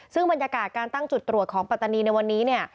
ซึ่งบรรยากาศการตั้งจุดตรวจของปัตตานีในวันนี้เนี่ย